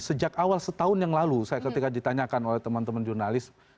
sejak awal setahun yang lalu saya ketika ditanyakan oleh teman teman jurnalis